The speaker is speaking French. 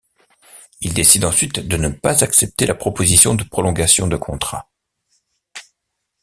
Il décide ensuite de ne pas accepter la proposition de prolongation de contrat.